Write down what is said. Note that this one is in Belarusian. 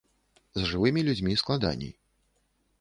З жывымі людзьмі складаней.